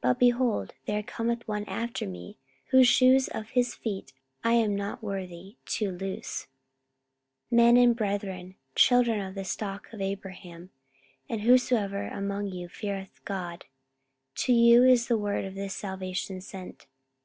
But, behold, there cometh one after me, whose shoes of his feet I am not worthy to loose. 44:013:026 Men and brethren, children of the stock of Abraham, and whosoever among you feareth God, to you is the word of this salvation sent.